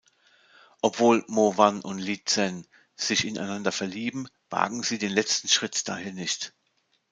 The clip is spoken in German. Obwohl Mo-wan und Li-zhen sich ineinander verlieben, wagen sie den letzten Schritt daher nicht.